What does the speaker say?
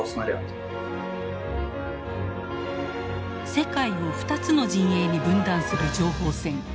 世界を２つの陣営に分断する情報戦。